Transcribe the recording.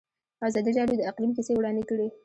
ازادي راډیو د اقلیم کیسې وړاندې کړي.